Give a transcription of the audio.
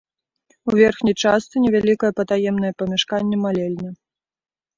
У верхняй частцы невялікае патаемнае памяшканне-малельня.